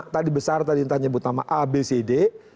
tadi besar tadi entah nyebut nama abcd